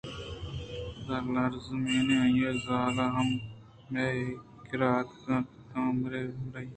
پدا لیزمین ءُآئی ءِ زال ہم مئے کِرّااتک اَنت تاں کہ مئے ہمرائی ءَ مراگش ءَ بروانت